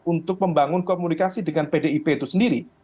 untuk membangun komunikasi dengan pdip itu sendiri